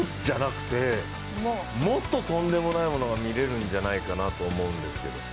もっととんでもないものが見れるんじゃないかなと思うんですけど。